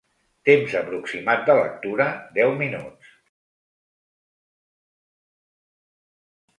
Temps aproximat de lectura: deu minuts.